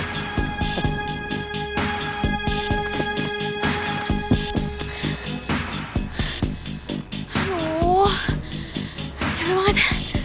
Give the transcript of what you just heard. aduh abis sampe banget